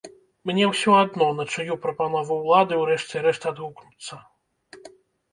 Мне ўсё адно, на чыю прапанову ўлады ўрэшце рэшт адгукнуцца!